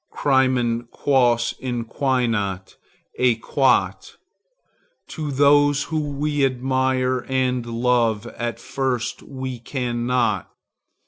Crimen quos inquinat, æquat. To those whom we admire and love, at first we cannot.